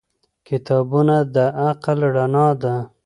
کتابونه د عقل رڼا ده.